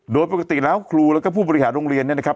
โดยปกติแล้วครูแล้วก็ผู้บริหารโรงเรียนเนี่ยนะครับ